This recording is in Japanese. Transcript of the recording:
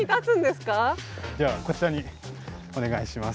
ではこちらにお願いします。